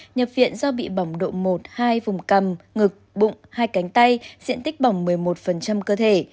nhập viện do bị bỏng độ một hai vùng cầm ngực bụng hai cánh tay diện tích bỏng một mươi một cơ thể